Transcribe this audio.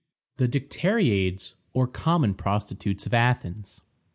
THE DICTERIADES, OR COMMON PROSTITUTES OF ATHENS.